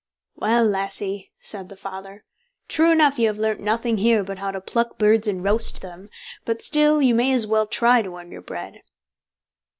"Well, lassie!" said the father, "true enough you have learnt nothing here but how to pluck birds and roast them, but still you may as well try to earn your bread."